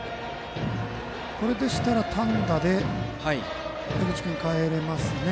これなら単打で江口君、かえれますね。